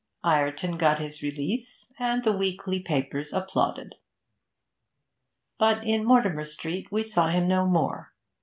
Ireton got his release, and the weekly papers applauded. But in Mortimer Street we saw him no more.